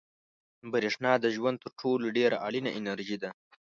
برېښنا د ژوند تر ټولو ډېره اړینه انرژي ده.